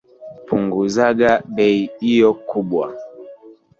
Punguzaga bei iyo kubwa.